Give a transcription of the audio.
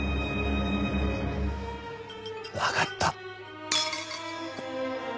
わかった。